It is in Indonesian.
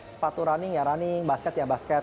sepatu running ya running basket ya basket